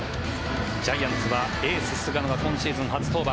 ジャイアンツはエース、菅野が今シーズン初登板。